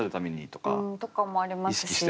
うん。とかもありますし。